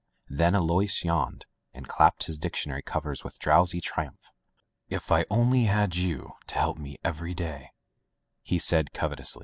*' Then Alois yawned and clapped his dictionary covers with drowsy triumph. "If I only had you to help me every day,'* he said covetously.